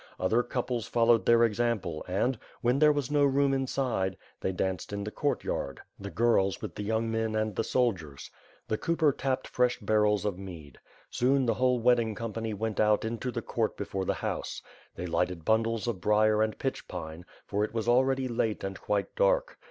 Other couples followed their example and, when there was no room inside, they danced in the courtyard; the girls with the young men and the soldiers. The cooper tapped fresh barrels of mead. Soon, the whole wedding company went out into the court before the house. They lighted bundles, of brier and pitch pine, for it was already late and quite dark.